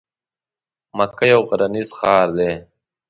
مکه یو غرنیز ښار دی.